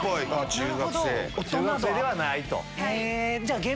中学生ではない！と。